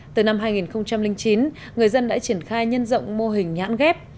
từ năm hai nghìn chín người dân đã triển khai nhân rộng mô hình nhãn ghép